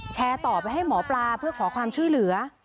แชร์ต่อไปให้หมอปลาเพื่อขอความช่วยเหลือ